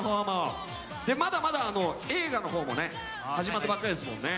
まだまだ映画のほうも始まったばかりですもんね。